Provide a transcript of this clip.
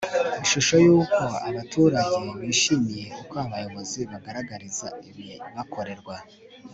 ishusho y uko abaturage bishimiye uko abayobozi babagaragariza ibibakorerwa